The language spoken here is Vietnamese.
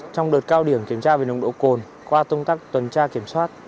trong đợt cao điểm kiểm tra về nồng độ cồn qua công tác tuần tra kiểm soát